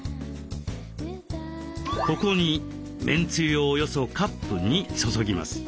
ここにめんつゆをおよそカップ２注ぎます。